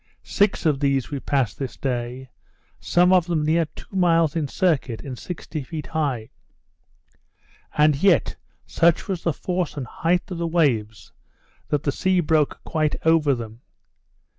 Six of these we passed this day; some of them near two miles in circuit, and sixty feet high. And yet, such was the force and height of the waves, that the sea broke quite over them.